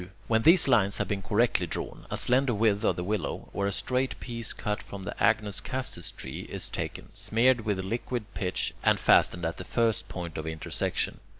When these lines have been correctly drawn, a slender withe of willow, or a straight piece cut from the agnus castus tree, is taken, smeared with liquid pitch, and fastened at the first point of intersection.